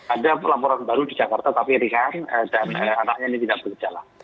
ada perlampuran baru di jakarta tapi ringan dan anaknya ini tidak boleh jalan